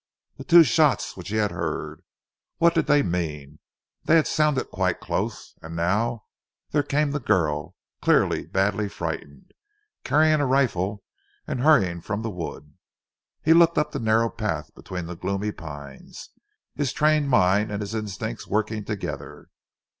Those two shots which he had heard what did they mean? They had sounded quite close, and now there came this girl, clearly badly frightened, carrying a rifle and hurrying from the wood. He looked up the narrow path between the gloomy pines, his trained mind and his instincts working together.